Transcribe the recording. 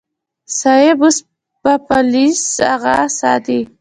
صيب اوس به پوليس اغه ساتي.